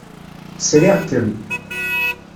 Sriɣ-kem.